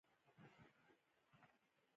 ځغاسته د ښې ورځې پیل دی